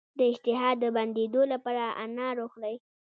د اشتها د بندیدو لپاره انار وخورئ